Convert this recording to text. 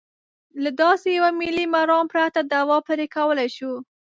له داسې یوه ملي مرام پرته دوا پرې کولای شو.